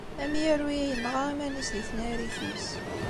Amyaru-a yenɣa iman-is di tnarit-is.